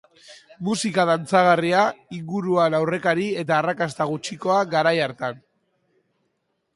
Musika dantzagarria, inguruan aurrekari eta arrakasta gutxikoa garai hartan.